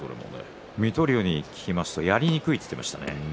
水戸龍に聞くとやりにくいと言っていました。